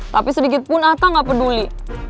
tapi sedikitpun atta gak peduli